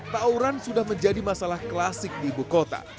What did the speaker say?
tauran sudah menjadi masalah klasik di ibu kota